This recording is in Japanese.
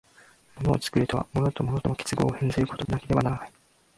物を作るとは、物と物との結合を変ずることでなければならない。